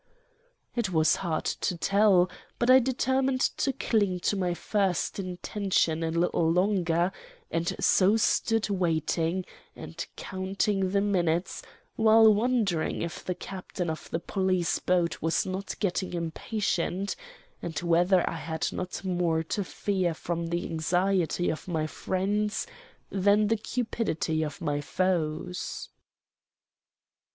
It was hard to tell, but I determined to cling to my first intention a little longer, and so stood waiting and counting the minutes, while wondering if the captain of the police boat was not getting impatient, and whether I had not more to fear from the anxiety of my friends than the cupidity of my foes.